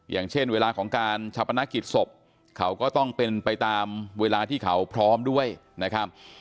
อย่างเช่นเวลาของการชาปนกิจศพเขาก็ต้องเป็นไปตามเวลาที่เขาพร้อมด้วยนะครับ